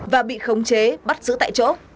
và bị khống chế bắt giữ tại chỗ